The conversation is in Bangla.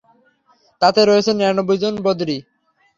তাতে রয়েছেন নিরানব্বই জন বদরী।